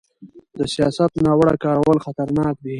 د سیاست ناوړه کارول خطرناک دي